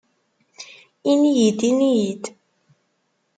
Ini-iyi-d, ini-iyi-d.